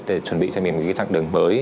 để chuẩn bị cho mình một cái chặng đường mới